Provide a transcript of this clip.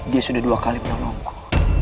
dia sudah dua kali menolongku